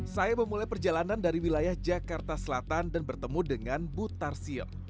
saya memulai perjalanan dari wilayah jakarta selatan dan bertemu dengan bu tarsio